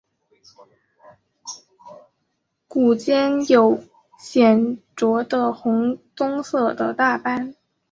股间有显着的红棕色的大斑。